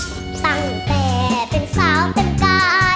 ตั้งแต่เป็นสาวเป็นกา